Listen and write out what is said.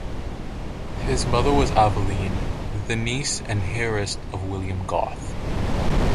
His mother was Aveline, the niece and heiress of William Goth.